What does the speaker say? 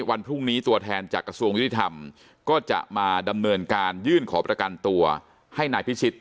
วันพรุ่งนี้ตัวแทนจากกระทรวงยุติธรรมก็จะมาดำเนินการยื่นขอประกันตัวให้นายพิชิต